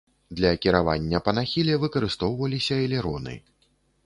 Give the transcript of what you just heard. Для кіравання па нахіле выкарыстоўваліся элероны.